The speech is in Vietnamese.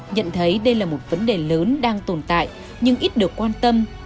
nhận thấy đây là một vấn đề lớn đang tồn tại nhưng ít được quan tâm